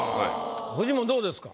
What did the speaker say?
フジモンどうですか？